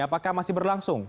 apakah masih berlangsung